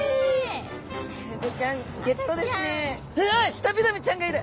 シタビラメちゃんがいる。